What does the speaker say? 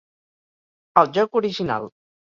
El joc original.